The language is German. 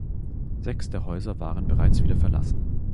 Sechs der Häuser waren bereits wieder verlassen.